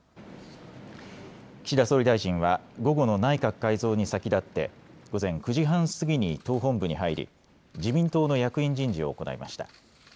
岸田総理大臣は、午後の内閣改造に先立って、午前９時半過ぎに党本部に入り、自民党の役員人事を行いました。